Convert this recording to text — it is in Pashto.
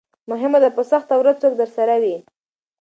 مهمه ده په سخته ورځ څوک درسره وي.